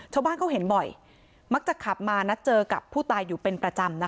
ชาวบ้านเขาเห็นบ่อยมักจะขับมานัดเจอกับผู้ตายอยู่เป็นประจำนะคะ